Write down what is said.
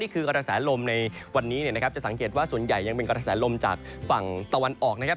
คือกระแสลมในวันนี้นะครับจะสังเกตว่าส่วนใหญ่ยังเป็นกระแสลมจากฝั่งตะวันออกนะครับ